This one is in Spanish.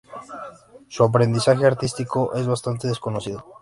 Su aprendizaje artístico es bastante desconocido.